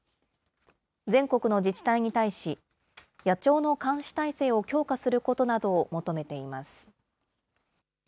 全国の自治体に対し、野鳥の監視態勢を強化することなどを求めています。